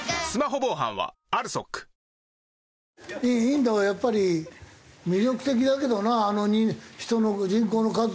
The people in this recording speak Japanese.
インドはやっぱり魅力的だけどな人の人口の数。